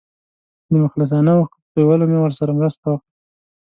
د مخلصانه اوښکو په تویولو مې ورسره مرسته وکړه.